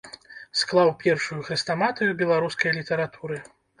Склаў першую хрэстаматыю беларускай літаратуры.